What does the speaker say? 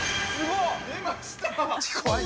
出ました。